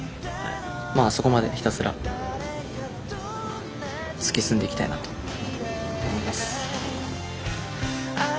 まあそこまでひたすら突き進んでいきたいなと思います。